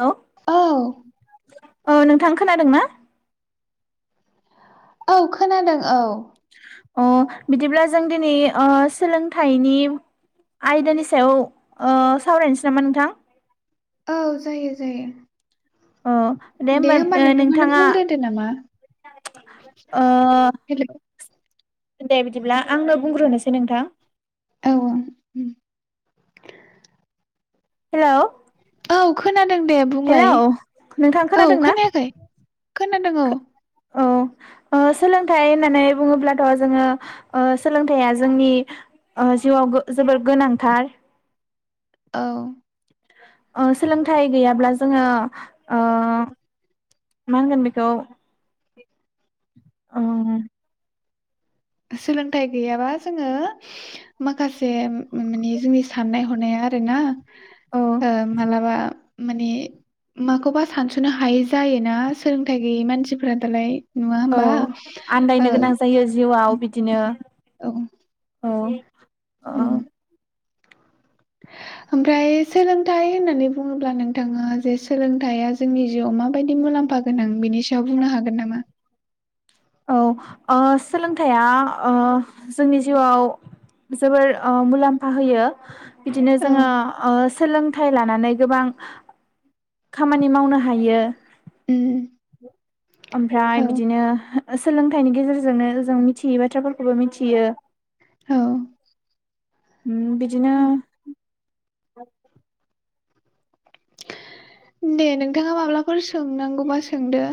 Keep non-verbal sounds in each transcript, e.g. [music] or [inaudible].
औ औ नोंथां खोनादों ना। औ खोनादों औ। अ बिदिब्ला जों दिनै सोलोंथाइनि आयदानि सायाव सावरायनोसै नामा नोंथां। औ जायो जायो। अ दे होमबा नोंथां आनो बुंग्रोदो नामा ओ हेलौ। दे बिदिब्ला आंनो बुंग्रोनोसै नोंथां। औ औ। हेलौ। औ। खोनादों दे बुंलाय हेलौ नोंथां औ खोनादों ना खोनायाखै। खोनादों औ। औ सोलोंथाइ होननानै बुङोब्लाथ जोङो सोलोंथाइया जोंनि जिउआव जोबोर गोनांथार। औ। सोलोंथाइ गैयाब्ला जोङो मा होनगोन बेखौ। ओं। सोलोंथाइ गैयाबा जोङो माखासे जोंनि साननाय हनाया आरोना। औ ओ मालाबा। माने माखौबा सानसनो हायै जायोना सोलोंथाइ गैयै मानसिफोरा दालाय। नङा औ होमबा ओ आन्दायनो गोनां जायो जिउआव। आव बिदिनो। औ औ। उम। ओमफ्राय सोलोंथाइ होननानै बुङोब्ला नोंथाङा जे सोलोंथाइया जोंनि जिउआव माबायदि मुलाम्फा गोनां बेनि सायाव बुंनो हागोन नामा? औ सोलोंथाइया जोंनि जिउआव जोबोर मुलाम्फा होयो। बिदिनो जोङो औ सोलोंथाय। फिथाइ लानानै गोबां। खामानि मावनो हायो, उम औ ओमफ्राय बिदिनो सोलोंथाइनि गेजेरजोंनो जों मिथियै बाथ्राफोरखौबो मिथियो, औ म बिदिनो दे नोंथाङा माब्लाफोर सोंनांगौबा सोंदो।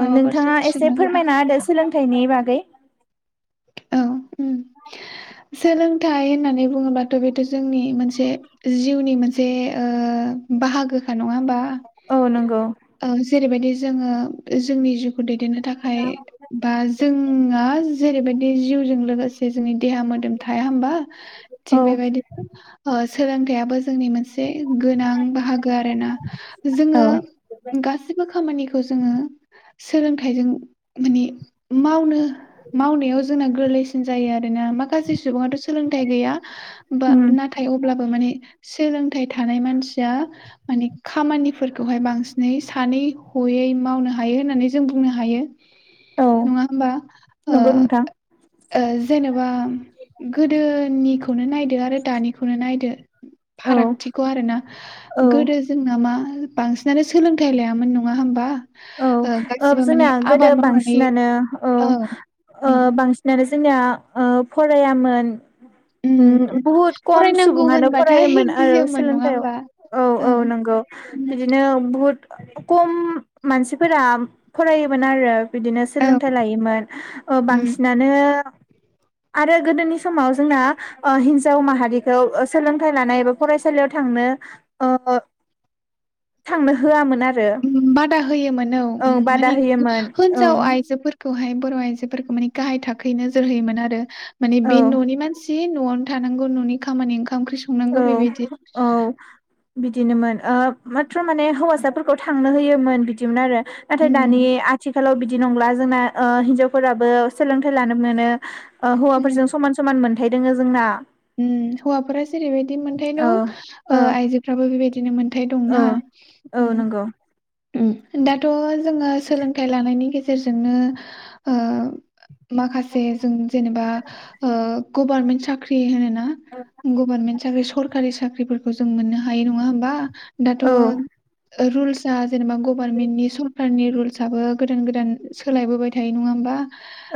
माबाफोर नोंथाङा एसे सोंनांगौबा फोरमायनाहोदो सोलों थायनि बागै। औ सोलोंथाइ होननानै बुङोब्लाथ' बेथ' जोंनि मोनसे जिउनि मोनसे बाहागोख। नङा होनबा? औ नंगौ औ जेरै बायदि। जोङो जोंनि दैदेननो थाखाय बा जोंहा जेरैबायदि। [unintelligible] लोगोसे जोंनि देहा मोदोम थाया होमबा औ थिग बेबायदिनो। सोलोंथाइयाबो। जोंनि मोनसे गोनां बाहागो आरोना औ जोङो गाससिबो खामानिखौ जोङो। सोलोंथाइजों माने मावनो मावनायाव जोंना गोरलै। जायो आरोना माखासे सुबुंआथ। सोलोंथाइ गैया उम नाथाय अब्लाबो माने। थानाय मानसिया म खामानिफोरखौहाय बांसिनै सानै हयै मावनो हायो होननानै जों बुंनो हायो। औ नङा होमबा? नंगौ नोंथां जेनेबा गोदोनि। खौनो नायदो आरो दानि खौनो नायदो। औ फारागथिखौ आरो ना औ गोदो जोंना मा बांसिनानो सोलोंथाइ लायामोन नङा होमबा? औ ओ गासिबो माने जोंना गोदो आबाद मावनानै बांसिनानो औ ओ उम बांसिनानो जोंना ओ फरायामोन। उम बुहुत खम फरायनांगौ सुबुङानो होनबाथाय फरायोमोन आरो गियोमोन नङा सोलोंथायाइ होमबा आव औ औ नंगौ उम बिदिनो बुहुत खम मानसि फोरा फरायो मोन आरो। बिदिनो औ सोलोंथाइ लायोमोन ओ उम बांसि नानो आरो गोदोनि समाव जोंना ओ हिन्जाव माहारिखौ ओ सोलोंथाइ लानाय एबा फरायसालियाव थांनो ओ थांनो हो आमोन। आरो होयोन औ उम ओं बादा माने होयोमोन औ हिजाव आइजो फोर खौबहाय बर' आइजो फोरखौ माने गाहाय थाखोै नोजोर होयोमोन आरो। माने औ बे ननि मानसि नआव थानांगौ ननि खामानि ओंखार औ औ बिदि दिनोमोन। ओ माथ्र माने हौवासा फोरखौ थांनो होयोमोन बिदिमोन आरो। नाथाय दानि उम आथिखालाव बिद बिदि नंला जोंना ओ हिनजाव फोराबो सोलोंथाइ लानो मोनो़ अ हौवा उम फोरजों समान समान मोन थाइ दोङो जोंना। उम । हौवाफोरा जेरैबायदि मोनथाय दं औ ओ औ आइजोफ्राबो बेबायदि दिनोमोन। थाय औ दंना औ ओम। नंगौ उ दा थ जोङो सोलोंथाइ लानायनि गेजेरजों गेजेरजोंनो ओ माखासे जों जेनेबा ओ गभार्नमेन्ट साख्रि होनोना ना गभार्नमेन्ट साख्रि स सरखारि साख्रिफोरखौ जों मोननो हायो नंङा होमबा। दाथ औ ओ रुल्स सा जेनेब गभार्नमेन्टनि सरखारनि रल रूल्सआबो गोदान गोदान सोलायबोबाय थायो नंङा होमबा।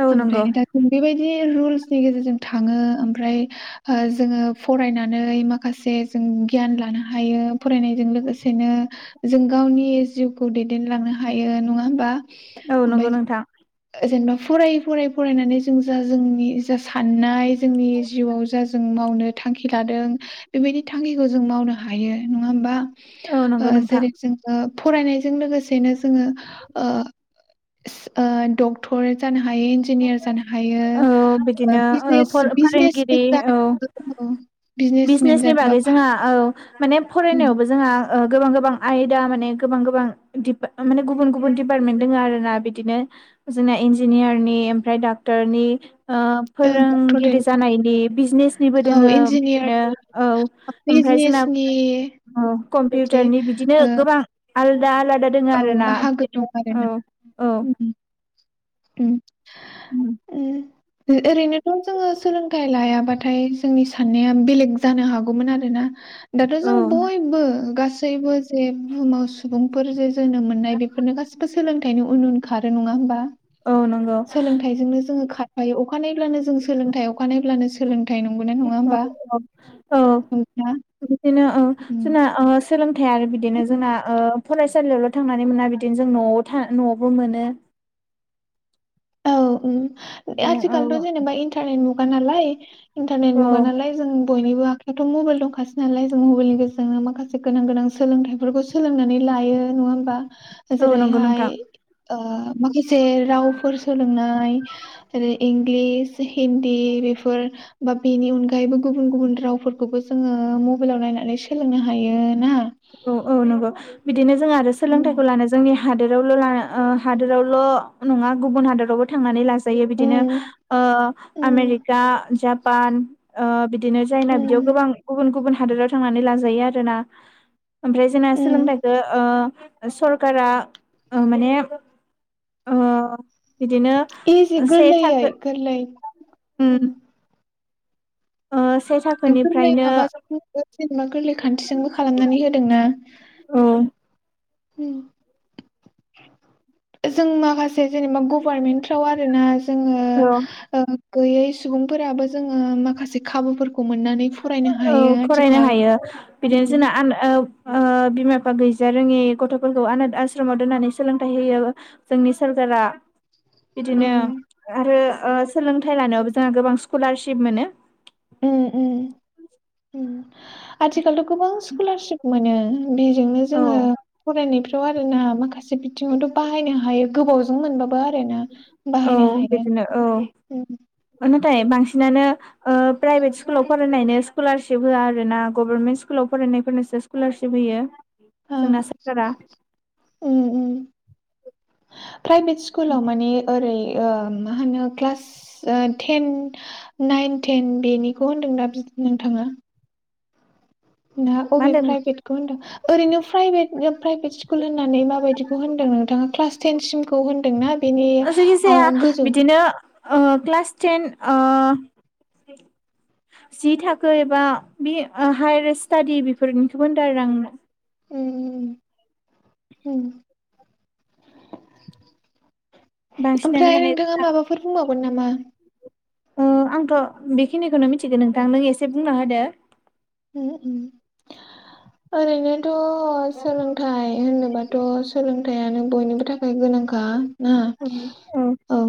औ ओमफ्राय नंगौ दा जों बेबायायदि बे रुल्सनि गेजेरजों थांङो ओमफ्राय ओ जोंङो फरायनानै माखासे जों गियान लानो हायो फरायनायजों लोगोसेनो जों गावनि जिउखौ दैदेनलांनो हायो नंङा होमबा। औ नंगौ ओमफ्राय नोंथां। जेनेबा फरायै फरायै फरायनानै जों जा जोंनि जा साननाय जोंनि जिउआव जा जों मावनो थांखि लादों बेबायदि थांखिखौ जों मावनो हायो नंङा होमबा? औ नंगौ नोंथां। जेरै ओ जोङो फरायनायजों जोंङो ओ दखथर जानो हायो हाय इन्जिनियार जानो हायो औ ओ बिदिनो बिजनेम बिजनेमेन फोरोंगिरि जानो औ हायो ओ बिजमेन बिजनेसनि बागै जानोब्ला जोंहा औ माने फरायनायावबो जोंहा ओ गोबां गोबां आयदा माने गोबां गोबां दिप माने गुबुन गुबुन डपार्टमेन्ट दोंङ आर ना बिदिनो जोंना इन्जिनियारनि ओमफ्राय डाक्टरनि ओ ओ फोरोंगिरि डक्टरेटनि जानायनि बिजनेसनिबो औ दोंङो बिदिनो इन्जिनियारनि औ ओमफ्राय जोंना बिजनेसनि अ बिदि कम्पिउटारनि बिदिनो ओ गोबां आरो दा आलादा दोंङो औ आरोना बाहागो दं बिदिनो । औ आरोना औ ओ ओरैनोथ जोंङो सोलोंथाइ लायाबाथाय जोंनि साननाया बेलेग जानो हागौमोन आरो ना दाथ औ जों बयबो गासै सैबो जे बुहुमाव सुबुंफोर जे जोनोम मोननाय बेफोरनो गासिबो सोलोंथाइनि उन उन खारो नंङा होमबा? औ नंगौ सोलोंथाइजोंनो जोंङो हायो अखानायब्लानो जों सोलोंथाइ अखानायब्लानो सोलों औ ओ नंगौना? बिदिनो ओ औ जोंना थाया आरो बिदिनो उम जोंना ओ फरायसालियावल' थांनानै मोना बिदिनो जों न'आव था न'आवबो मोनो । औ ओम आजखालथ जेनेबा इन्टारनेट न खानालाय इन्टारनेट औ मुगा नालाय जों बयनिबो आखायावथ मबाइल दंखासै नालाय जों मबाइलनि [unintelligible] जोंनो माखासे गोनां गोनां सोलोंथाइफोरखौ सोलोंनानै लायो नङा होमबा? औ जेरै नंगौ हाय नोंथां ओ माखासे राव [unintelligible] सोलोंनाय ओरै इंलिस, हिन्दी बेफोर बा बेनि अनगायैबो गुबुन गुबुन रावफोरखौबो जोङो मबाइलाव नायनानै सोलों फोरोंनो हायो ना । औ ओ नंगौ ‌ [unintelligible] बिदिनो जों आरो सोलोंथाइखौ उम लानो जोंनि हादोरावल' ला ओ हादोरावल' नङा गुबुन हादोराव थांनानै [unintelligible] जायो बिदिनो उम ओ उम आमेरिका, जापान ओ [unintelligible] बिदिनो जायना बिदियाव उम गोबां गुबुन गुबुन हादोराव थांनानै लाजायो आरोना। ओमफ्राय जोंना उम सोलोंथाइखौ ओ सरकारा ओ माने ओ बिदिनो इजि से गोरलैयै थाखो गोरलै उम ओम ओ। से गोरलै थाखोनिफ्रायनो माबाजों जेनेबा गोरलै खान्थिजोंबो खालामनानै होदोंना। औ जों माखासे जेनेबा गभारमेन्टफ्राव आरोना जोङो ओ गैयै सुबुंफोराबो जोङो माखासे खाबुफोरखौ [unintelligible] मोननानै फरायनो औ हायो फरायनो आथिखाल हायो बिदिनो उम जोंना ओ ओ बिमा बिफा गैजा रोङि गथ'फोरखौ आनाद आश्रमाव दोननानै सोलोंथाइ होयो जोंनि सरकारा। बिदिनो उम आरो ओ सोलोंथाइ लानायावबो जोंहा गोबां स्कलारशिप मोनो। ओम ओम ओम आथिखालथ' गोबां स्कलारसिप मोनो बेजोंनो औ जोङो फरायनाय फोर [unintelligible] आरो ना माखासे से बिथिङावथ' बाहायनो हायो गोबाव मोनबाबो फरायनो औ बाहायनो हायो बिदिनो औ ओम नाथाय बांसिनानो ओ प्राइभेट स्कुलाव फरायनायनो स्कलारशिप होआ आरोना गभरमेन्ट स्कुलाव फरायनायफोरनोसो स्कलारशिप होयो। औ जोंना सोरखारा ओम ओम प्राइभेट स्कुलाव माने ओरै ओ मा होनो क्लास ओ टेन नाइन टेन बेनिखौ होनदों दा बि नोंथाङा ना मा अबे होनदों प्राइभेटखौ होनदों ओरैनो प्राइभेट प्राइभेट स्कुल होननानै माबायदिखौ होनदों नोंथाङा क्लास टेन सिमखौ होनदोंना बेनि आ जायखिजाया गोजौ बिदिनो ओ क्लास टेन ओ जि थाखो एबा बे हायार स्टाडि बेफोरनिखोबो होनदों आरो आङो ओम ओम ओम बांसिनानो ओमफ्राय माने नोंथाङा जोंना माबाफोर बुंबाव गोन नामा? ओ आंथ' बेखिनिखौनो मिथिगो नोंथां नों एसे बुंना होदो। उम आरैनो थ' सोलोंथाइ होनोबाथ' सोलों थायानो बयनिबो था थाखाय गोनांखा ना औ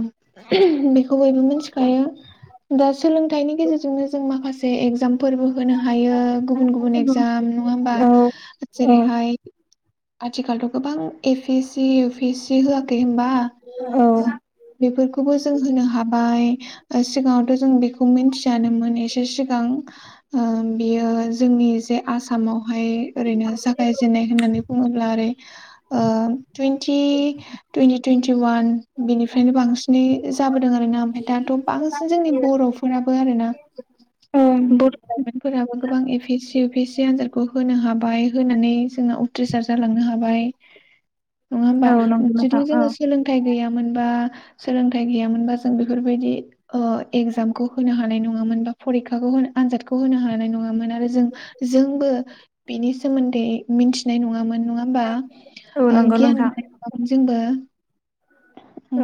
बेखौ बयबो मिथिखायो दा सोलोंथाइनि गेजेरजोंनो जों माखासे एगजामफोरबो होनो हायो गुबुन गुबुन एगजाम नङा होमबा औ औ जेरैहाय आथिखालथ' गोबां ए पिस सि इउ- पिसि होआखै होनबा बेफोरखौबो जों होनो हाबाय। ओ सिगाङावथ' जों बे खौमिनथियानोमोन एसे सिगां ओ जोंनि जे आसामाव हाय ओरैनो जागायजेननाय होननानै बुङोब्ला औरै ओ टुइन्टि टुइन्टि वान बिनिफ्रायनो बांसिनै जाबो दों आरो ना ओमफ्राय दाथ' बां जोंनि बर'फोराबो आरोना औ बर' लाइमोन फोराबो गोबां A P C U P S C आनजादखौ होनो हाबाय होनानै जोंना उथ्रिसार जालांनो हा बाय नङा होमबा औ नंगौ जुदि नोंथां औ जोङो सोलोंथाइ गैयामोनबा सोलोंथायाइ गैयामोनबा जों बेफोरबायदि ओ एगजामखौ होनो हानाय नङामोन बा फरिखाखौ होनो आनजादखौ होनो हा हानाय नङामोन आ रो जों जोंबो बेनि सोमोन्दै मिथिनाय नङामोन। नङा होमबा औ ओ नंगौ गियान नोंथां मोननाय नङामोन जोंबो।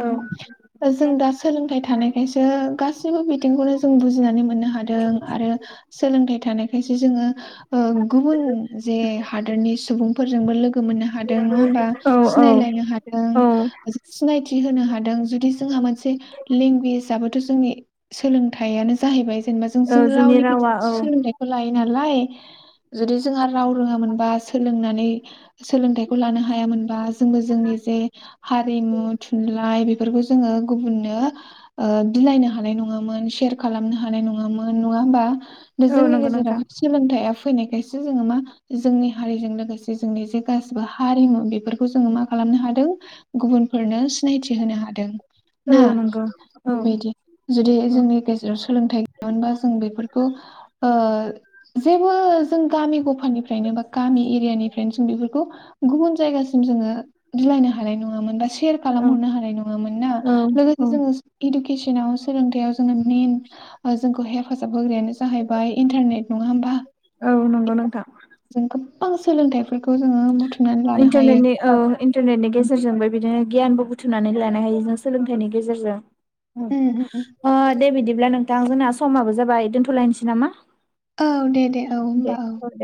औ जों दा सोलोंथाइ थानायखायसो गासैबो बिथिंखौनो जों बुजिनानै मोननो हादों आरो थानायखाय सो जोङो ओ गुबुन जे हादोरनि सुबुंफोरजोंबो लोगो मोननो हादों नङा होनबा औ औ सिनायलायनो हादों औ सिनायथि होनो हादों। जुदि जोंहा मोनसे लेंगुवेजआबो जोंनि सोलोंथाइयानो जाहैबाय [unintelligible] जों औ जोंनि रावनि रावा गेजेर औ सोलोंथाइखौ लायो ना लाय जुदि जोंहा राव रोङामोनबा सोलोंनानै सोलोंथाइखौ लानो हायामोनबा जोंनि जे हारिमु थुनलाय बे फोरखौ जोङो गुबुननो ओ बिलाइनो हानाय नङामोन शेयार खालामनो हानाय नङामोन। नङा होमबा? औ जोंनि नंगौ नोंथां गेजेराव सोलोंथाइया फैनायखायसो जोङो मा जोंनि हारिजों लोगोसे जोंनि जे गासिबो हारिमु बेफोरखौ जोङो मा खालामनो हादों गुबुनफोरनो सिनायथि होनो हादों। औ ना? नंगौ औ बेबायदि। जुदि औ जोंनि गेजेराव सोलोंथाइ गैयामोनबा जों बेफोरखौ ओ जेबो जों गामि गफानिफ्रायनो बा गामि एरियानिफ्रायनो जों बेफोरखौ गुबुन जायगासिम जोङो बिलायनो हानाय नङामोन। सेर औ खालामहरनो हानाय नङामोन ना? औ लोगोसे औ जोङो इदु किसनाव सोलोंथाइयाव जोङो मेन जोंखौ हेफाजाब होग्रायानो जा बाय इन्थारनेट नङा होमबा? औ नंगौ नोंथां जों आं सोलोंथाइ इन्टारनेटनि औ इन्टारनेटनि गेजेरजोंबो बिदिनो गियानबो बुथुमनानै लानो हायो जों सोलोंथाइनि गेजेरजों। ओ उम उम ओ दे बिदि दिब्ला नोंथां जोंना समाबो जाबाय। दोन्थ'लायनोसै नामा? औ दे दे औ दे होनबा औ। दे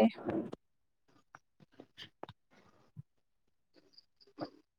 [inaudible]